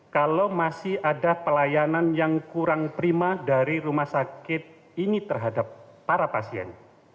kalau masih ada pelayanan yang kurang prima dari rumah sakit ini terhadap para pasien